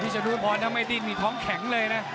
ชนุพรถ้าไม่ดิ้นนี่ท้องแข็งเลยนะ